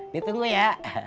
nih tunggu ya